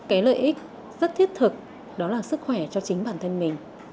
cái lợi ích rất thiết thực đó là sức khỏe cho chính bản thân mình